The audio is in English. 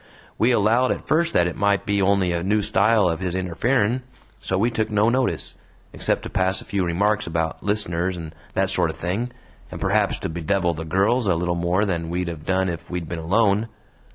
We allowed at first that it might be only a new style of his interferin', so we took no notice, except to pass a few remarks about listeners and that sort o' thing, and perhaps to bedevil the girls a little more than we'd hev done if we'd been alone.